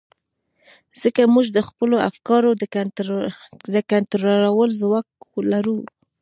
ځکه موږ د خپلو افکارو د کنټرول ځواک لرو.